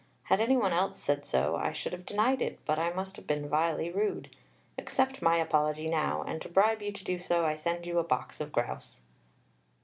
Had any one else said so, I should have denied it, but I must have been vilely rude. Accept my apology now; and to bribe you to do so, I send you a box of grouse."